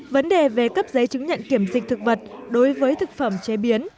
vấn đề về cấp giấy chứng nhận kiểm dịch thực vật đối với thực phẩm chế biến